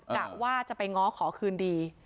กะว่าจะไปง้อขอคืนดี